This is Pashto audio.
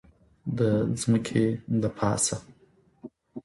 د ځمکې دپاسه